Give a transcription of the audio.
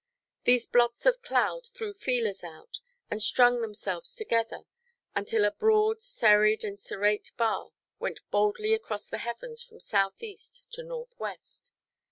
These blots of cloud threw feelers out, and strung themselves together, until a broad serried and serrate bar went boldly across the heavens, from south–east to north–west.